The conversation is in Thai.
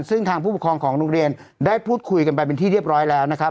ซึ่งทางผู้ปกครองของโรงเรียนได้พูดคุยกันไปเป็นที่เรียบร้อยแล้วนะครับ